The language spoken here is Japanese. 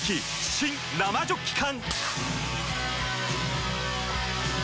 新・生ジョッキ缶！